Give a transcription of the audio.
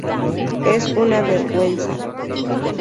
Es una vergüenza".